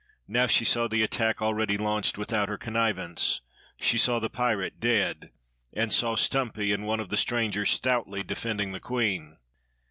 Now she saw the attack already launched without her connivance; she saw the pirate, dead, and saw Stumpy and one of the strangers stoutly defending the queen.